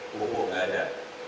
pupuk enggak ada